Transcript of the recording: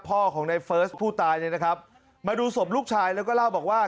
พ่อของในเฟิร์สผู้ตายเนี่ยนะครับมาดูศพลูกชายแล้วก็เล่าบอกว่า